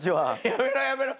やめろやめろ！